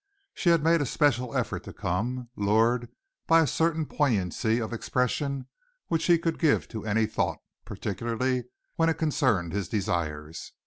She had made a special effort to come, lured by a certain poignancy of expression which he could give to any thought, particularly when it concerned his desires.